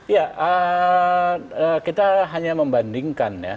ya kita hanya membandingkan ya